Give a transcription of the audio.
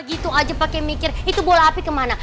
gitu aja pakai mikir itu bola api kemana